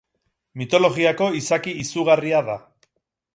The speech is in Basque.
Mitologiako izaki izugarria da.